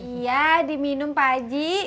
iya diminum pak aji